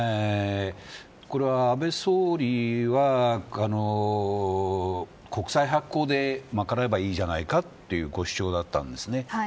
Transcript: これは安倍総理は国債発行でまかなえばいいじゃないかというご主張でした。